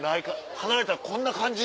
離れたらこんな感じ？